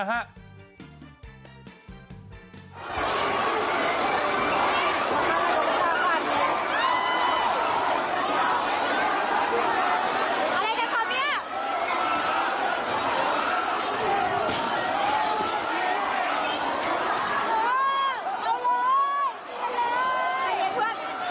อะไรกันครับเนี่ย